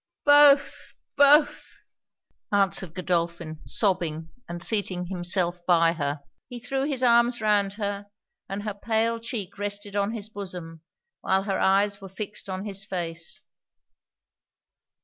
'Both! both!' answered Godolphin, sobbing, and seating himself by her. He threw his arms round her, and her pale cheek rested on his bosom, while her eyes were fixed on his face.